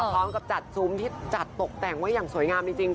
พร้อมกับจัดซุ้มที่จัดตกแต่งไว้อย่างสวยงามจริง